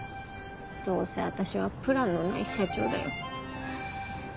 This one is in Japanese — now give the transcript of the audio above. どうせ私はプランのない社長だよ。